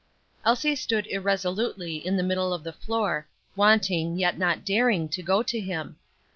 Elsie stood irresolutely in the middle of the floor, wanting, yet not daring to go to him.